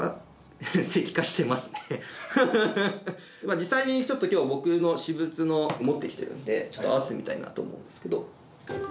実際にちょっと今日僕の私物の持ってきてるんで合わせてみたいなと思うんですけど。